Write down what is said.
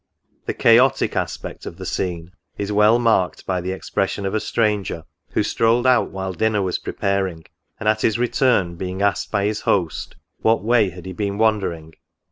The chaotic aspect of the scene is well marked by the expression of a stranger, who strolled out while dinner was preparing, and, at his return, being asked by his host, *' What way he had been wander ing?"